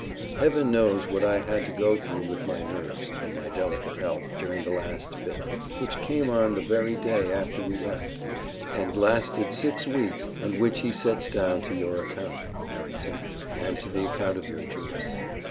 Heaven knows what I had to go through with my nerves, and my delicate health, during the last fit, which came on the very day after we left you, and lasted six weeks, and which he sets down to your account, Harrington, and to the account of your Jewess."